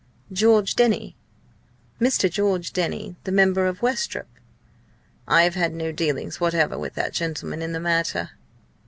"George Denny? Mr. George Denny, the member for Westropp? I have had no dealings whatever with that gentleman in the matter."